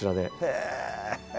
へえ！